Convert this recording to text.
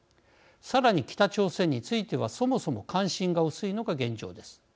さらに北朝鮮についてはそもそも関心が薄いのが現状です。